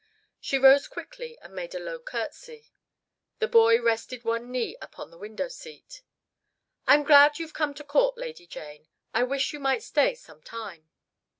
She rose quickly and made a low courtesy. The boy rested one knee upon the window seat. "I'm glad you've come to court, Lady Jane. I wish you might stay some time."